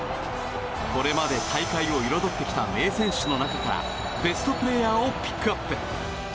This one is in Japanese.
これまで大会を彩ってきた名選手の中からベストプレーヤーをピックアップ！